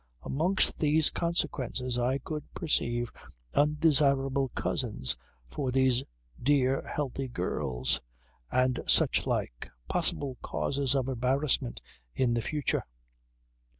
Amongst these consequences I could perceive undesirable cousins for these dear healthy girls, and such like, possible causes of embarrassment in the future.